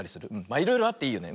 いろいろあっていいよね。